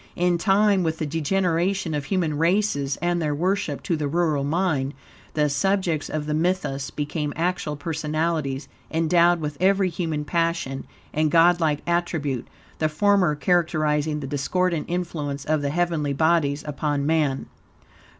In time, with the degeneration of human races and their worship, to the rural mind, the subjects of the mythos became actual personalities, endowed with every human passion and godlike attribute, the former characterizing the discordant influence of the heavenly bodies upon man.